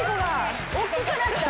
おっきくなった？